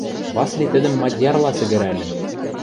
– Васли тӹдӹм мадьярла сӹгӹрӓльӹ.